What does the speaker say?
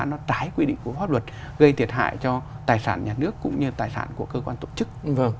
nó tái quy định của pháp luật gây thiệt hại cho tài sản nhà nước cũng như tài sản của cơ quan tổ chức